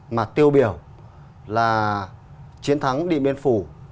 mà tiêu biểu là chiến thắng địa biên phủ